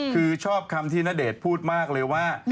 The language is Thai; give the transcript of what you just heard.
คือชอบคำที่ณเดชน์พูดมากเลยว่า